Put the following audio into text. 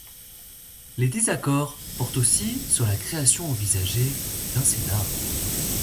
Les désaccords portent aussi sur la création envisagée d'un Sénat.